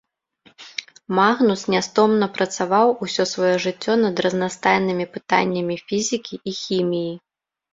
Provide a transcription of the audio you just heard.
Магнус нястомна працаваў усё сваё жыццё над разнастайнымі пытаннямі фізікі і хіміі.